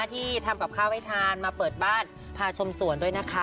ที่ทำกับข้าวให้ทานมาเปิดบ้านพาชมสวนด้วยนะคะ